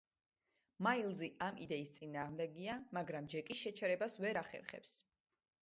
მაილზი ამ იდეის წინააღმდეგია მაგრამ ჯეკის შეჩერებას ვერ ახერხებს.